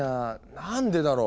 何でだろう？